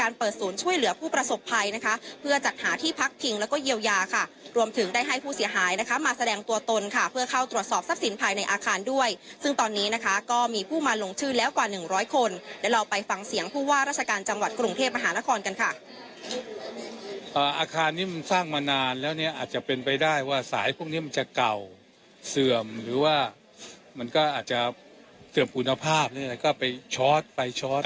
มาแสดงตัวตนค่ะเพื่อเข้าตรวจสอบทรัพย์สินภายในอาคารด้วยซึ่งตอนนี้นะคะก็มีผู้มาลงชื่อแล้วกว่า๑๐๐คนเดี๋ยวเราไปฟังเสียงผู้ว่าราชการจังหวัดกรุงเทพอาหารละครกันค่ะอาคารนี้มันสร้างมานานแล้วเนี่ยอาจจะเป็นไปได้ว่าสายพวกนี้มันจะเก่าเสื่อมหรือว่ามันก็อาจจะเสื่อมคุณภาพแล้วก็ไปช้อตไปช้